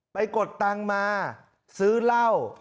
กดตังค์มาซื้อเหล้า